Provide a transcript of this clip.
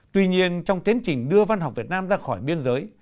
tuy nhiên trong tiến trình đưa văn học việt nam ra khỏi biên giới